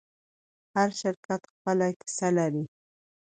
هر شرکت خپله کیسه لري.